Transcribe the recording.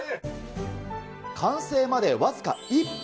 完成まで僅か１分。